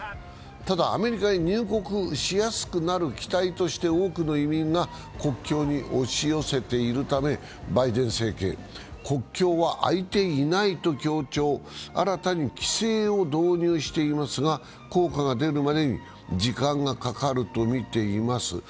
ただアメリカへ入国しやすくなる期待として多くの移民が国境に押し寄せているためバイデン政権、国境は開いていないと強調、新たに規制を導入していますが、効果が出るまでに時間がかかるとみています。